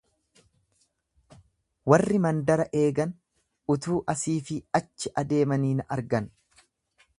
Warri mandara eegan, utuu asii fi achi adeemanii na argan;